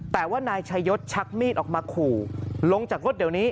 แต่ว่านายชายศชักมีดออกมาขู่ลงจากรถเดี๋ยวนี้